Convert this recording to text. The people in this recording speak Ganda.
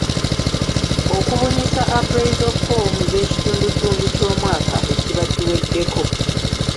Okubunyisa appraisal ffoomu z’ekitundutundu ky’omwaka ekiba kiweddeko.